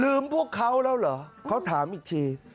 ลืมพวกเค้าเค้าถามอีกที